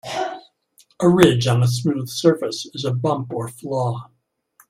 A ridge on a smooth surface is a bump or flaw.